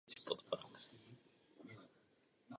Působí jako trenér u mládeže.